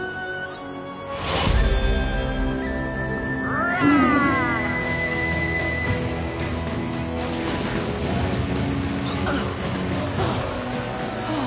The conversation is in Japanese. ああ。